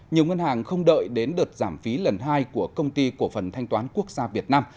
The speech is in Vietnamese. nhiều ngân hàng không đợi đến đợt giảm phí lần hai của công ty cổ phần thanh toán quốc gia việt nam